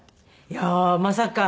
いやあまさか。